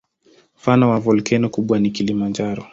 Mfano wa volkeno kubwa ni Kilimanjaro.